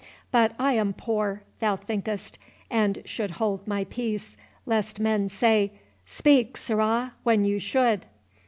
—But I am poor, thou think'st, and should hold my peace, lest men say, 'Speak, sirrah, when you should.